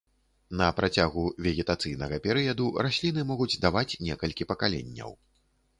На працягу вегетацыйнага перыяду расліны могуць даваць некалькі пакаленняў.